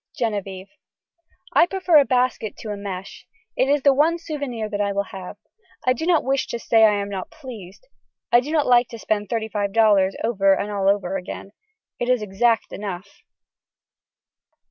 (Genevieve.) I prefer a basket to a mesh. It is the one souvenir that I will have. I do not wish to say that I am not pleased. I do not like to spend 35 dollars over again all over again. It is exact enough.